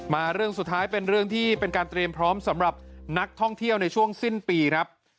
เรื่องสุดท้ายเป็นเรื่องที่เป็นการเตรียมพร้อมสำหรับนักท่องเที่ยวในช่วงสิ้นปีครับ